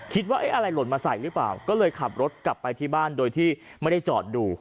คิดว่าอะไรหล่นมาใส่หรือเปล่าก็เลยขับรถกลับไปที่บ้านโดยที่ไม่ได้จอดดู